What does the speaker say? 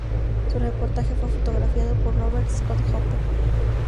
Su reportaje fue fotografiado por Robert Scott Hooper.